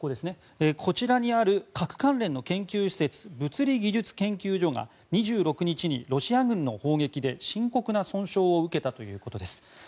こちらにある核関連の研究施設物理技術研究所が２６日にロシア軍の砲撃で深刻な損傷を受けたということです。